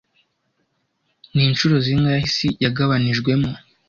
Ni inshuro zingahe isi yagabanijwemo